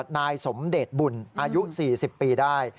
นายสมเดชบุญอายุ๔๐ปีได้